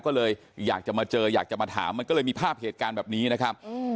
ก็เลยอยากจะมาเจออยากจะมาถามมันก็เลยมีภาพเหตุการณ์แบบนี้นะครับ